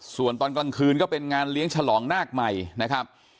ส่วนตอนกลางคืนก็เป็นงานเลี้ยงฉลองนาคใหม่นะครับ